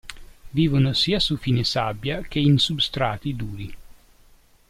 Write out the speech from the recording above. Vivono sia su fine sabbia che in substrati duri.